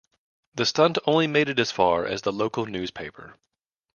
The stunt only made it as far as the local newspaper.